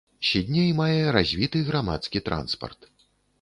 Сідней мае развіты грамадскі транспарт.